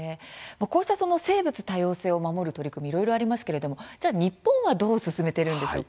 こうした生物多様性を守る取り組み、いろいろありますが日本はどう進めているんでしょうか。